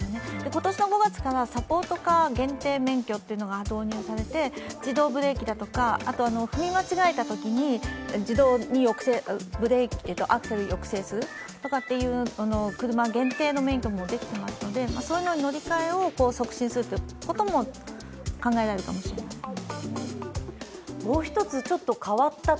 今年の５月からサポートカー限定免許というのが導入されて自動ブレーキだとか、踏み間違えたときに自動にアクセルを抑制するっていう車限定の免許も出ていますのでそういうものへの乗り換えを促進することも考えられるかもしれませんね。